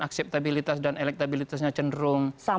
akseptabilitas dan elektabilitasnya cenderung